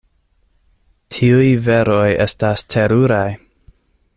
Tiuj veroj estas teruraj!